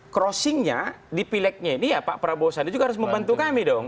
crossingnya dipilegnya ini ya pak prabowo dan sandi juga harus membantu kami dong